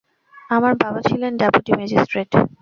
আমার বাবা ছিলেন ডেপুটি ম্যাজিস্ট্রেট।